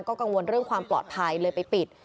กังวลเรื่องความปลอดภัยเลยไปปิด